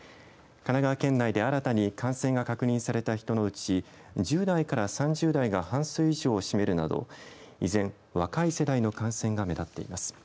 神奈川県内で新たに感染が確認された人のうち１０代から３０代が半数以上を占めるなど依然、若い世代の感染が目立っています。